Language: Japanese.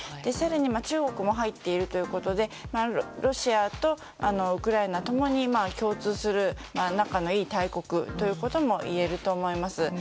更に中国も入っているということでロシアとウクライナ共に共通する仲のいい大国ということもいえると思います。